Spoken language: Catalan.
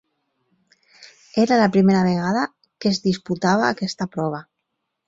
Era la primera vegada que es disputava aquesta prova.